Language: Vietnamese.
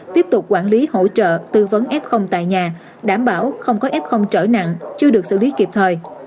tiếp tục quản lý hỗ trợ tư vấn f tại nhà đảm bảo không có f trở nặng chưa được xử lý kịp thời